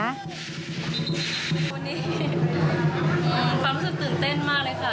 วันนี้ความรู้สึกตื่นเต้นมากเลยค่ะ